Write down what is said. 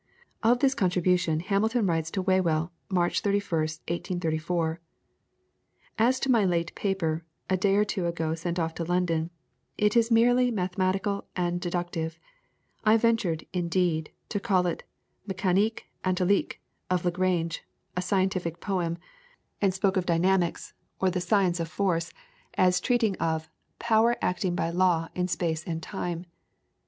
Of this contribution Hamilton writes to Whewell, March 31st, 1834: "As to my late paper, a day or two ago sent off to London, it is merely mathematical and deductive. I ventured, indeed, to call it the 'Mecanique Analytique' of Lagrange, 'a scientific poem'; and spoke of Dynamics, or the Science of Force, as treating of 'Power acting by Law in Space and Time.'